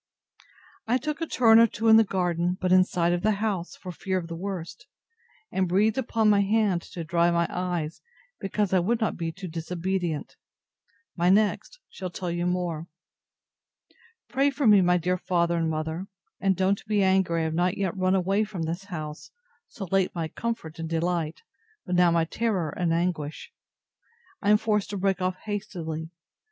I took a turn or two in the garden, but in sight of the house, for fear of the worst; and breathed upon my hand to dry my eyes, because I would not be too disobedient. My next shall tell you more. Pray for me, my dear father and mother: and don't be angry I have not yet run away from this house, so late my comfort and delight, but now my terror and anguish. I am forced to break off hastily.